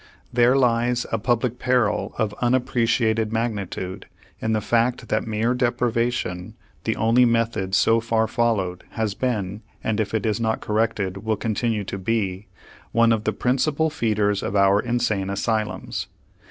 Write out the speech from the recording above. There lies a public peril of unappreciated magnitude in the fact that mere deprivation, the only method so far followed, has been, and if it is not corrected, will continue to be, one of the principal feeders of our insane asylums.